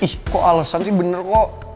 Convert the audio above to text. ih kok alasan sih benar kok